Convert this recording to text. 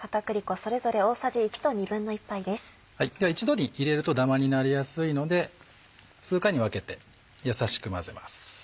では一度に入れるとダマになりやすいので数回に分けて優しく混ぜます。